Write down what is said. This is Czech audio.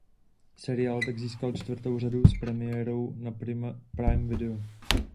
Seriál tak získal čtvrtou řadu s premiérou na Prime Video.